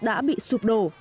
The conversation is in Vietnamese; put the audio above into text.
đã bị sụp đổ